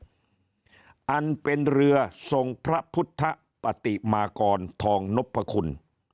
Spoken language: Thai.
นั่งสุพรรณหงษ์อันเป็นเรือส่งพระพุทธปฏิมากรทองนพคุณ